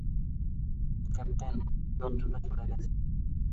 Captain, জন্তুটা চলে গেছে।